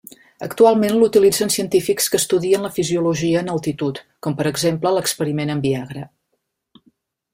Actualment l'utilitzen científics que estudien la fisiologia en altitud com, per exemple, l'experiment amb Viagra.